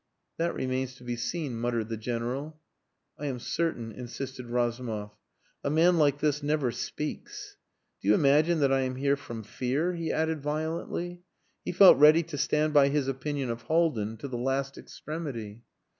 "That remains to be seen," muttered the General. "I am certain," insisted Razumov. "A man like this never speaks.... Do you imagine that I am here from fear?" he added violently. He felt ready to stand by his opinion of Haldin to the last extremity.